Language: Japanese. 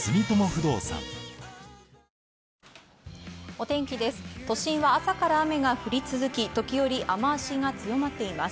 お天気です。